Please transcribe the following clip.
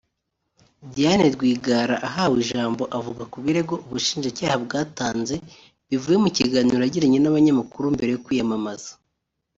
Diane Rwigara ahawe ijambo avuga ku birego Ubushinjacyaha bwatanze bivuye mu kiganiro yagiranye n’abanyamakuru mbere yo kwiyamamaza